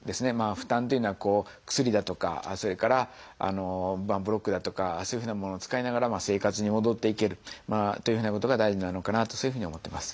負担というのは薬だとかそれからブロックだとかそういうふうなものを使いながら生活に戻っていけるというふうなことが大事なのかなとそういうふうに思ってます。